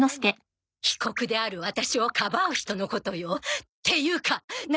被告であるワタシをかばう人のことよ。っていうかな